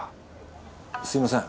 すみません。